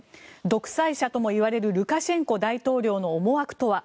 独裁者ともいわれるルカシェンコ大統領の思惑とは。